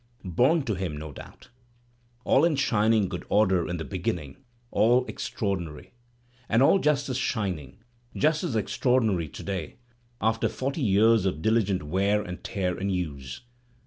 Bom to him, no doubt. All in shining good order in the beginning, all ^traordinary; Digitized by Google HOWELLS 291 and all just as shining, just as extraordinaiy to day, after forty years of diligent wear and tear and use.